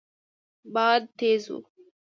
باد تېز و.